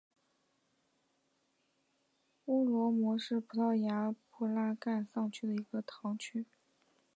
乌罗什是葡萄牙布拉干萨区的一个堂区。